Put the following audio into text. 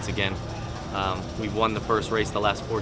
kami telah menang perang pertama dalam empat musim terakhir